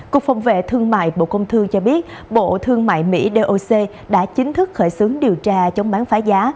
cục phòng vệ thương mại bộ công thương cho biết bộ thương mại mỹ doc đã chính thức khởi xướng điều tra chống bán phá giá